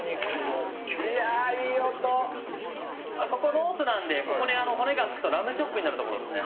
ロースなのでここに骨がつくとラムチョップになるところです。